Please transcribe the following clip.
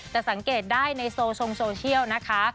สังเกตได้ในโซชงโซเชียลนะคะ